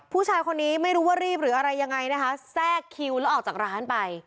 ผู้ชายคนนี้ไม่รู้ว่ารีบหรืออะไรยังไงนะคะแทรกคิวแล้วออกจากร้านไป